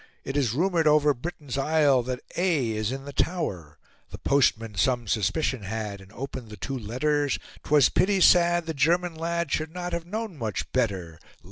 It is rumoured over Britain's isle That A is in the Tower; The postmen some suspicion had, And opened the two letters, 'Twas a pity sad the German lad Should not have known much better!"